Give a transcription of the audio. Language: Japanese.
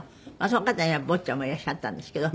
その方には坊ちゃんもいらっしゃったんですけど。